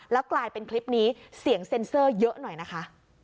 แล้วกลายเป็นคลิปนี้เสียงเซ็นเซอร์เยอะหน่อยนะคะ